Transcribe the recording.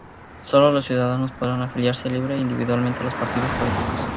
Sólo los ciudadanos podrán afiliarse libre e individualmente a los partidos políticos.